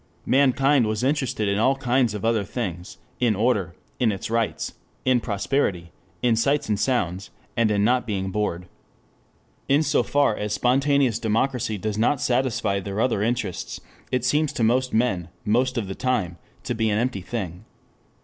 Mankind was interested in all kinds of other things, in order, in its rights, in prosperity, in sights and sounds and in not being bored. In so far as spontaneous democracy does not satisfy their other interests, it seems to most men most of the time to be an empty thing.